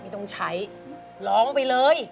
ไม่ต้องใช้ร้องไปเลย